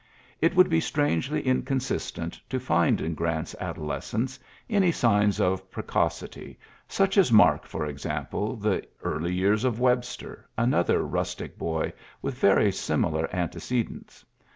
It wonld be strangely inconsistent to find in Grant's adolescence any signs of precocity^ snch as mark^ for example^ the early years of Webster, another rustic boy "With very similar antecedents.